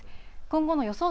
今後の予想